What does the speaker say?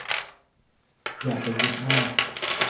อย่าไปยึดมาก